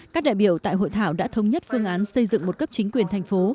các đại biểu tại hội thảo đã thống nhất phương án xây dựng một cấp chính quyền thành phố